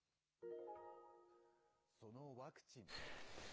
そのワクチン。